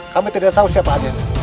kami tidak tahu siapa aja